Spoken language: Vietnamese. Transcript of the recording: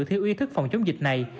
thiếu ý thức phòng chống dịch này